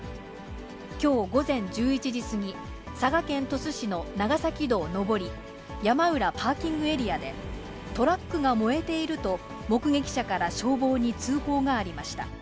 きょう午前１１時過ぎ、佐賀県鳥栖市の長崎道上り山浦パーキングエリアで、トラックが燃えていると、目撃者から消防に通報がありました。